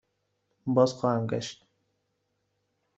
بازخواهم گشت.